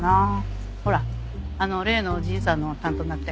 ほらあの例のじいさんの担当になって。